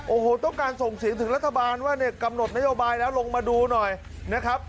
โอ้โหต้องการส่งเสียงถึงรัฐบาลว่าเนี่ยกำหนดนโยบายแล้วลงมาดูหน่อยนะครับ